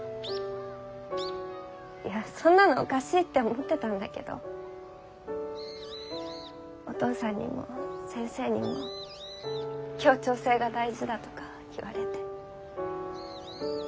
そんなのおかしいって思ってたんだけどお父さんにも先生にも「協調性が大事だ」とか言われて。